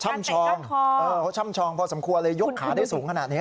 ชองเขาช่ำชองพอสมควรเลยยกขาได้สูงขนาดนี้